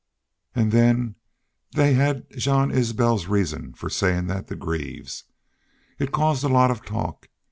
An' then they had Jean Isbel's reason fer sayin' thet to Greaves. It caused a lot of talk.